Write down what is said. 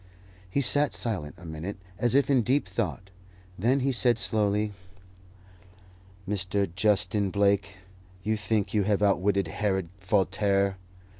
He sat silent a minute, as if in deep thought; then he said slowly, "Mr. Justin Blake, you think you have outwitted Herod Voltaire!